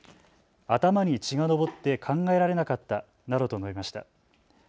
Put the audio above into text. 頭に血が上って考えられなかったなどと述べました。